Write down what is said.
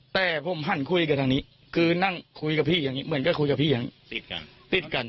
แต่ผมหั่นคุยกับทางนี้คือนั่งคุยกับพี่อย่างนี้เหมือนกับพี่อย่างนี้ติดกัน